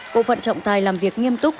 bộ phận trọng tài làm việc nghiêm túc